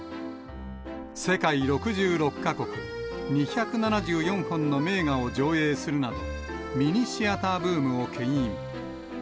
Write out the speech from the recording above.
世界６６か国、２７４本の名画を上映するなど、ミニシアターブームをけん引。